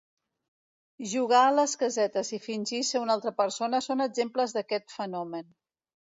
Jugar a les casetes i fingir ser una altra persona són exemples d'aquest fenomen.